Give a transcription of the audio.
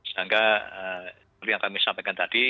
sehingga seperti yang kami sampaikan tadi